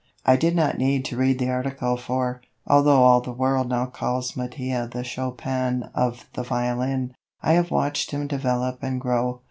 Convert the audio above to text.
I did not need to read the article for, although all the world now calls Mattia the Chopin of the violin, I have watched him develop and grow.